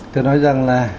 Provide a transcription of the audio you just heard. tôi nói rằng là